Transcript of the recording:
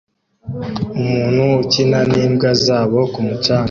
Umuntu ukina n'imbwa zabo ku mucanga